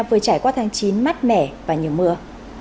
vừa trải qua tháng chín mát mẻ và nhiều mưa